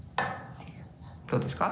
・どうですか？